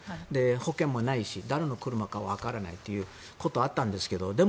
保険もないし誰の車かわからないということはあったんですがで